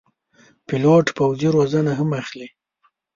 پیلوټ پوځي روزنه هم اخلي.